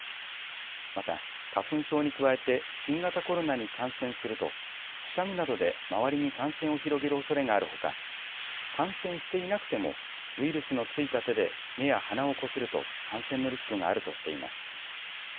また、花粉症に加えて新型コロナに感染するとくしゃみなどで周りに感染を広げるおそれがあるほか感染していなくてもウイルスの付いた手で目や鼻をこすると感染のリスクがあるとしています。